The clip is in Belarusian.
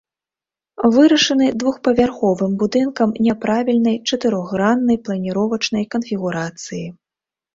Вырашаны двухпавярховым будынкам няправільнай чатырохграннай планіровачнай канфігурацыі.